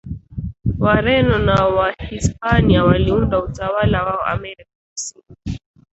Wareno na Wahispania waliunda utawala wao Amerika Kusini